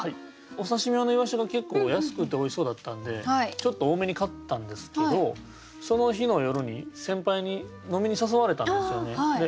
お刺身用の鰯が結構安くておいしそうだったんでちょっと多めに買ったんですけどその日の夜に先輩に飲みに誘われたんですよね。